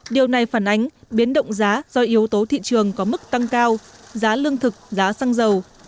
điều này phản ánh biến động giá do yếu tố thị trường có mức tăng cao giá lương thực giá xăng dầu